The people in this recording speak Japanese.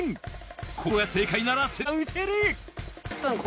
ここが正解なら先手が打てる！